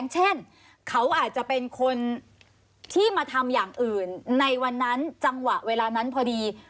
เช่นเขาอาจจะเป็นคนที่มาทำอย่างอื่นในวันนั้นจังหวะเวลานั้นพอดี